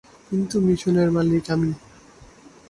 কিন্তু মিশনের মালিক আমি!